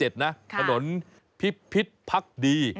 ถนนพิพิษพักดี